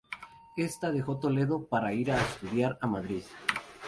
Esta dejó Toledo para ir a estudiar a Madrid.